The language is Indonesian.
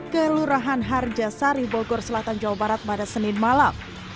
kelurahan harjasari bogor selatan jawa barat pada senin malam